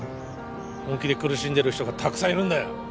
本気で苦しんでる人がたくさんいるんだよ